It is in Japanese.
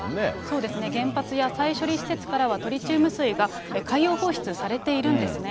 そうですね、原発や再処理施設からは、トリチウム水が海洋放出されているんですね。